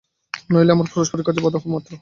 নইলে আমরা পরস্পরের কাজের বাধা হব মাত্র।